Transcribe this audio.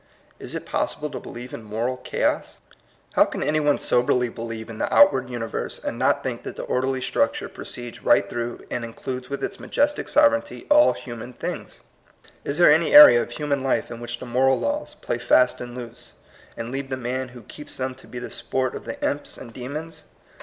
Is it possible to believe in moral chaos? How can any one soberly believe in the outward universe, and not think that the orderly structure proceeds right through and includes with its majestic sovereignty all human things ? Is there any area of hu man life in which the moral laws play fast and loose, and leave the man who keeps them to be the sport of the imps and de mons?